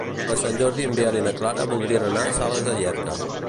Per Sant Jordi en Biel i na Clara voldrien anar a Sales de Llierca.